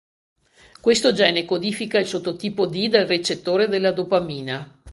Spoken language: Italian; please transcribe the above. Questo gene codifica il sottotipo D del recettore della dopamina.